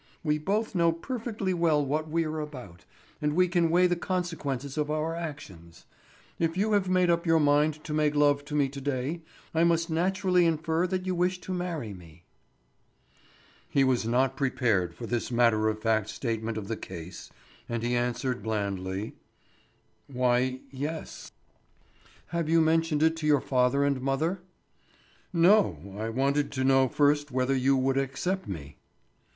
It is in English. We both know perfectly well what we are about and we can weigh the consequences of our actions. If you have made up your mind to make love to me to day I must naturally infer that you wish to marry me." He was not prepared for this matter of fact statement of the case, and he answered blandly: "Why, yes." "Have you mentioned it to your father and mother?" "No, I wanted to know first whether you would accept me."